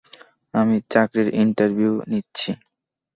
আমি চাকরির ইন্টারভিউ নিচ্ছি।